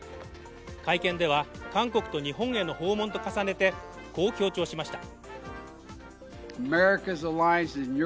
会見では、韓国と日本への訪問と重ねてこう強調しました。